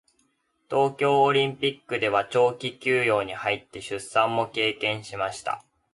東京オリンピックでは長期休養に入って出産も経験しました。